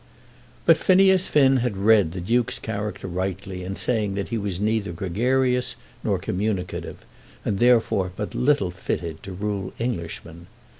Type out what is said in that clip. But Phineas Finn had read the Duke's character rightly in saying that he was neither gregarious nor communicative, and therefore but little fitted to rule Englishmen.